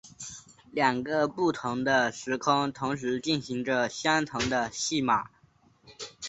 两个不同的时空同时进行着相同的戏码。